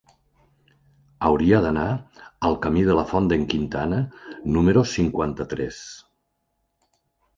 Hauria d'anar al camí de la Font d'en Quintana número cinquanta-tres.